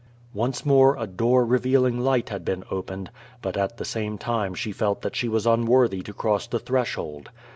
Once more a door revealing light had been opened, but at the same time she felt that she was unwortliy to cross the threshold.